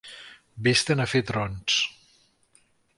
Ves-te'n a fer trons!